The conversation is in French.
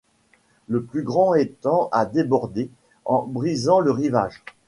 Le plus grand étang a débordé, en brisant le rivage.